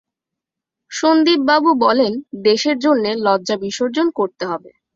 সন্দীপবাবু বলেন, দেশের জন্যে লজ্জা বিসর্জন করতে হবে।